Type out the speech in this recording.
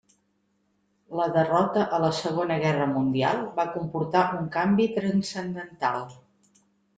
La derrota a la Segona Guerra Mundial va comportar un canvi transcendental.